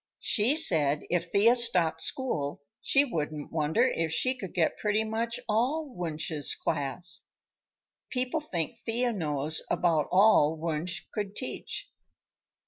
She said if Thea stopped school she wouldn't wonder if she could get pretty much all Wunsch's class. People think Thea knows about all Wunsch could teach."